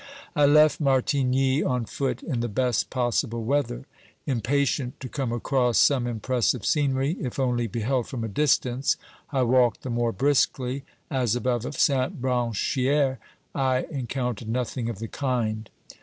I left Martigny on foot in the best possible weather. Im patient to come across some impressive scenery, if only beheld from a distance, I walked the more briskly, as above Saint Branchier I encountered nothing of the kind.